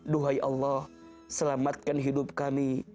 duhai allah selamatkan hidup kami